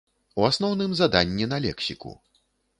У асноўным, заданні на лексіку.